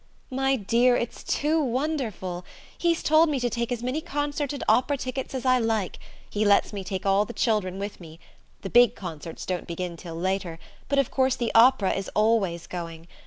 "My dear, it's too wonderful! He's told me to take as many concert and opera tickets as I like; he lets me take all the children with me. The big concerts don't begin till later; but of course the Opera is always going.